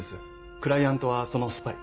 クライアントはそのスパイ。